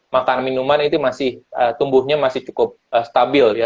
makanan minuman itu masih tumbuhnya masih cukup stabil ya